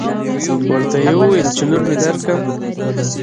ورته يې وويل چې لور مې درکم.